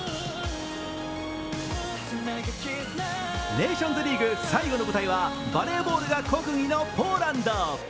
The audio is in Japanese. ネーションズリーグ最後の舞台はバレーボールが国技のポーランド。